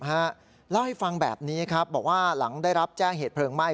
เล่าให้ฟังแบบนี้ครับบอกว่าหลังได้รับแจ้งเหตุเพลิงไหม้